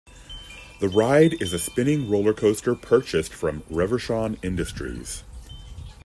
The ride is a spinning roller coaster purchased from Reverchon Industries.